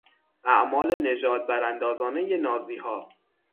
اعمال نژاد براندازانهی نازیها